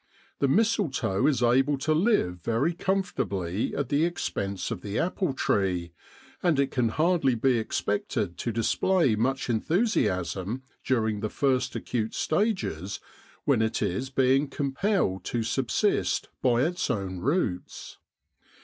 The mistletoe is able to live very comfortably at the expense of the apple tree, and it can hardly be ex pected to display much enthusiasm during the first acute stages when it is being compelled to subsist by its own roots.